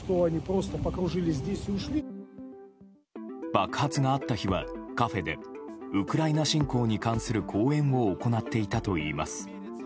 爆発があった日はカフェでウクライナ侵攻に関する講演を行っていたといいます。